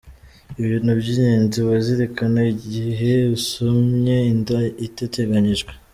Ibintu by’ingezi wazirikana igihe usamye inda itateganyijwe:.